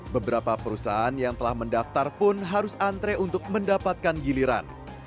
beberapa perusahaan yang telah mendaftar pun harus antre untuk mendapatkan giliran